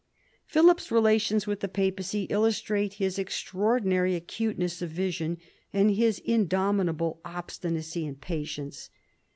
Philip's relations with the papacy illustrate his extra ordinary acuteness of vision and his indomitable obstinacy and patience.